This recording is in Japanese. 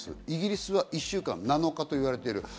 イギリスは１週間、７日と言われている。